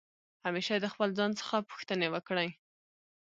همېشه د خپل ځان څخه پوښتني وکړئ.